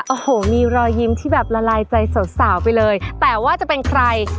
โอ้โหมีรอยยิ้มที่แบบละลายใจสาวสาวไปเลยแต่ว่าจะเป็นใคร